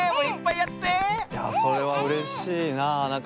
いやそれはうれしいな。